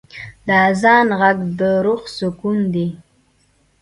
د آذان ږغ د روح سکون دی.